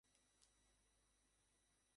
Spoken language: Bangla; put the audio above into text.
না, তুই যাবি না।